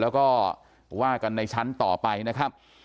แล้วก็ว่ากันในชั้นต่อไปนะครับ